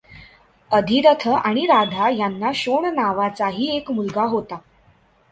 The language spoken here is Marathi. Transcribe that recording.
अधिरथ आणि राधा यांना शोण नावाचाही एक मुलगा होता.